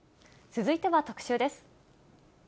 続いては特集です。